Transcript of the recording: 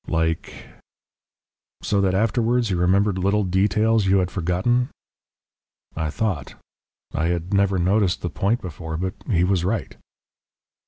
"Like ?" "So that afterwards you remembered little details you had forgotten." I thought. I had never noticed the point before, but he was right.